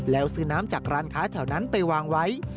แล้วซื้อน้ำจากร้านค้าแถวนั้นไปวางไว้